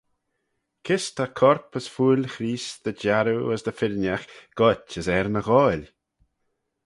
Kys ta corp as fuill Chreest dy jarroo as dy firrinagh goit as er ny ghoaill?